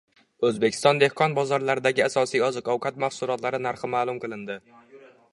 O‘zbekiston dehqon bozorlaridagi asosiy oziq-ovqat mahsulotlari narxi ma’lum qilindi